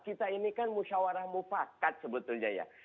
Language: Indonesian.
kita ini kan musyawarah mufakat sebetulnya ya